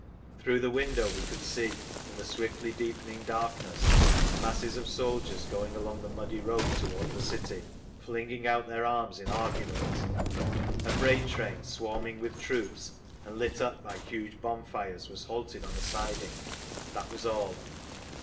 Through the window we could see, in the swiftly deepening darkness, masses of soldiers going along the muddy road toward the city, flinging out their arms in argument. A freight train, swarming with troops and lit up by huge bonfires, was halted on a siding. That was all.